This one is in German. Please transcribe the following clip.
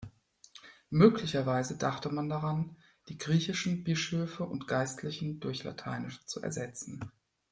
Möglicherweise dachte man daran, die griechischen Bischöfe und Geistlichen, durch lateinische zu ersetzen.